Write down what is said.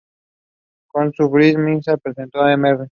Con su bar mitzvah, presentando a Mr.